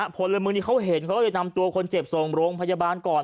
พลเมืองนี้เขาเห็นเขาก็เลยนำตัวคนเจ็บส่งโรงพยาบาลก่อน